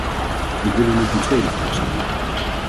Ik wil u nog een tweede vraag stellen.